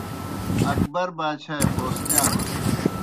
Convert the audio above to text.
اکبر باچھائے پوستِیان